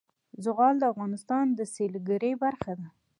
زغال د افغانستان د سیلګرۍ برخه ده.